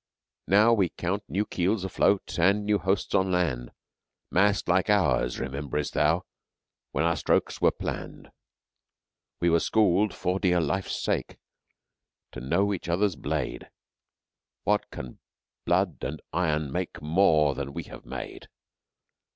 Now we count new keels afloat, and new hosts on land, Massed liked ours (rememberest thou?) when our strokes were planned. We were schooled for dear life sake, to know each other's blade: What can blood and iron make more than we have made?